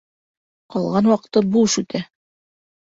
Ҡалған ваҡыты буш үтә.